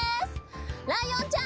ライオンちゃん